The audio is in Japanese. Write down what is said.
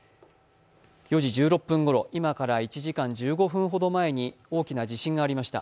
４時１６分ごろ、今から１時間１５分ほど前に大きな地震がありました。